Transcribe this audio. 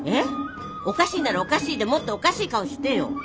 おかしいならおかしいでもっとおかしい顔してよ。